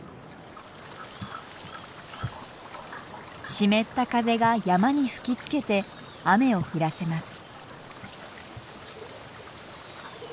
湿った風が山に吹きつけて雨を降らせます。